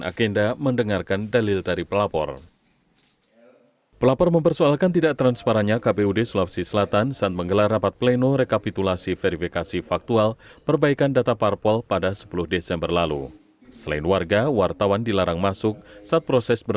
ada beberapa hal yang dilalirkan oleh pelapor